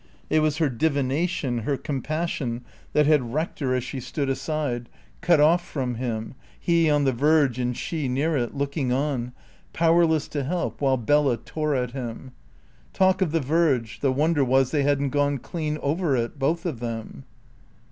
It was her divination, her compassion, that had wrecked her as she stood aside, cut off from him, he on the verge and she near it, looking on, powerless to help while Bella tore at him. Talk of the verge, the wonder was they hadn't gone clean over it, both of them.